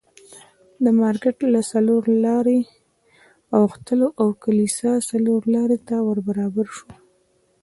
د مارکېټ له څلور لارې اوښتلو او د کلیسا څلورلارې ته ور برابر شوو.